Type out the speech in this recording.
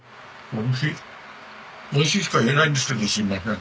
おいしいしか言えないんですけどすいません。